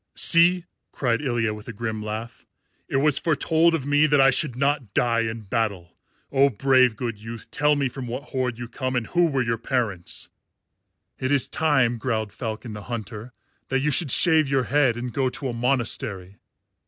"See!" cried Ilya with a grim laugh. "It was foretold of me that I should not die in battle. Oh, brave good youth, tell me from what horde you come and who were your parents." "It is time," growled Falcon the Hunter, "that you should shave your head and go to a monastery."